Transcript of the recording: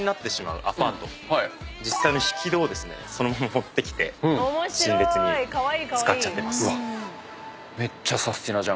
実際の引き戸を持ってきて陳列に使っちゃってます。